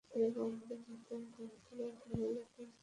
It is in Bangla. এ ওয়ার্ডের বর্তমান কাউন্সিলর হলেন আকাশ কুমার ভৌমিক।